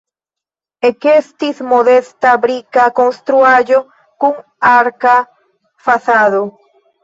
Ekestis modesta brika konstruaĵo kun arka fasado.